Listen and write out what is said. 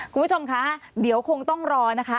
คุณผู้ชมคะเดี๋ยวคงต้องรอนะคะ